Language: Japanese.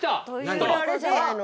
これあれじゃないの？